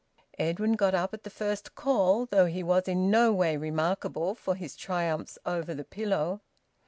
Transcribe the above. Edwin got up at the first call, though he was in no way remarkable for his triumphs over the pillow.